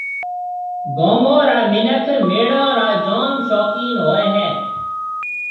گومون را مِنک ميݪو را جوم شوقين ھوئيَ ھيََََ